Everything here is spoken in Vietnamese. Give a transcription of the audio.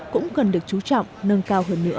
cũng cần được chú trọng nâng cao hơn nữa